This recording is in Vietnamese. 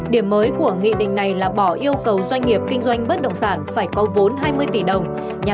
điểm mới của nghị định này là bỏ yêu cầu doanh nghiệp kinh doanh bất động sản phải có vốn hai mươi tỷ đồng